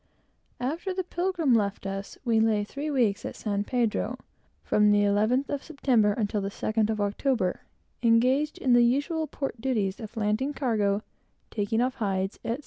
After the Pilgrim left us, we lay three weeks at San Pedro, from the 11th of September until the 2nd of October, engaged in the usual port duties of landing cargo, taking off hides, etc.